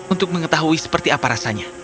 untuk mengetahui seperti apa rasanya